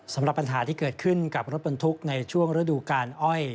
สำหรับปัญหาที่เกิดขึ้นกับรถบรรทุกในช่วงฤดูกาลอ้อย